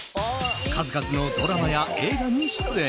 数々のドラマや映画に出演。